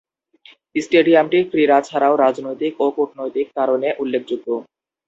স্টেডিয়ামটি ক্রীড়া ছাড়াও রাজনৈতিক ও কূটনৈতিক কারণে উল্লেখযোগ্য।